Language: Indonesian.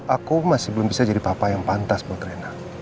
aku masih belum bisa jadi papa yang pantas buat renat